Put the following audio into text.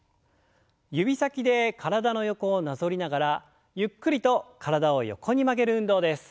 指先で体の横をなぞりながらゆっくりと体を横に曲げる運動です。